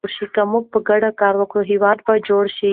که موږ په ګډه کار وکړو، هېواد به جوړ شي.